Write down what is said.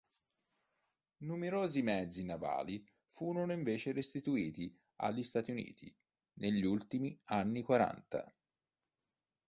Numerosi mezzi navali furono invece restituiti agli Stati Uniti negli ultimi anni quaranta.